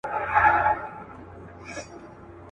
ستا دي قسم په ذوالجلال وي.